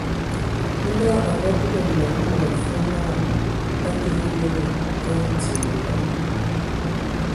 Ndɔ a adugan nɔŋ mod mfe naa a ke nye lədə a edzii məlam.